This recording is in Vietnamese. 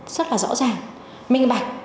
rất là rõ ràng minh bạc